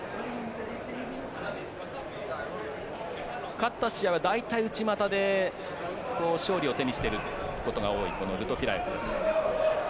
勝った試合は、大体内股で勝利を手にしていることが多いこのルトフィラエフです。